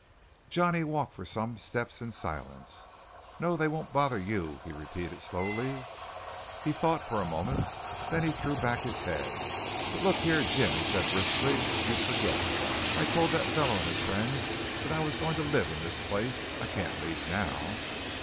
Johnny walked for some steps in silence. "No, they won't bother you," he repeated slowly. He thought for a moment, then he threw back his head. "But look here, Jim," he said briskly, "you forget. I told that fellow and his friends that I was going to live in this place. I can't leave now."